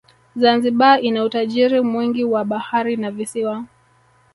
zanzibar ina utajiri mwingi wa bahari na visiwa